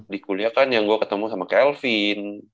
di kuliah kan yang gue ketemu sama kelvin